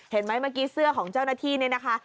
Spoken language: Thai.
เห็นมั้ยเมื่อกี้เสื้อของเจ้านาทีนี้นะคะ